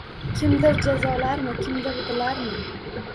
Kimdir jazolarmi, kimdir bilarmi?